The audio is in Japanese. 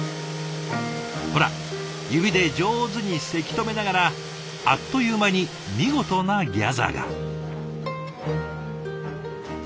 ほら指で上手にせき止めながらあっという間に見事なギャザーが。